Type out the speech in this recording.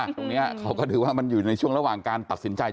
ตรงนี้เขาก็ถือว่ามันอยู่ในช่วงระหว่างการตัดสินใจ